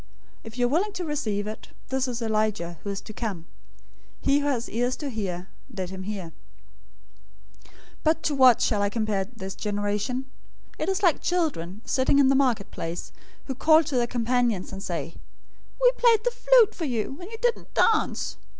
011:014 If you are willing to receive it, this is Elijah, who is to come. 011:015 He who has ears to hear, let him hear. 011:016 "But to what shall I compare this generation? It is like children sitting in the marketplaces, who call to their companions 011:017 and say, 'We played the flute for you, and you didn't dance.